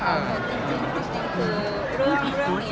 จริงคือเรื่องเนี้ย